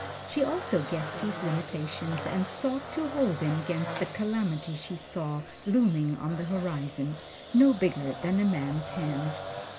She also guessed his limitations and sought to hold him 'gainst the calamity she saw looming on the horizon, no bigger than a man's hand.